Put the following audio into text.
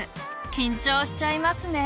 緊張しちゃいますね。